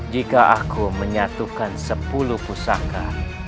jika aku menyatukan sepuluh pusaka